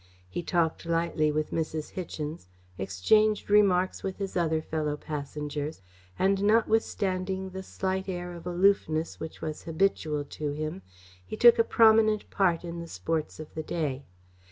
He talked lightly with Mrs. Hichens, exchanged remarks with his other fellow passengers, and, notwithstanding the slight air of aloofness which was habitual to him, he took a prominent part in the sports of the day.